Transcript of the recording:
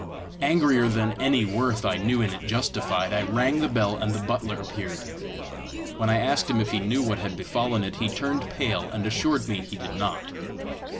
Angrier than any worth I knew in it justified, I rang the bell, and the butler appeared. When I asked him if he knew what had befallen it, he turned pale, and assured me he did not.